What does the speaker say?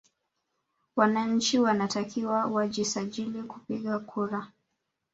Wananchi wanatakiwa wajisajili kupiga kura